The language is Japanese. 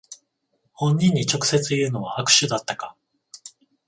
本人に直接言うのは悪手だったか